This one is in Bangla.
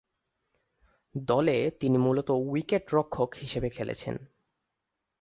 দলে তিনি মূলতঃ উইকেট-রক্ষক হিসেবে খেলছেন।